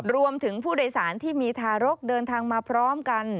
รวมถึงผู้โดยสารที่มีทารกเดินทางมาพร้อมกัน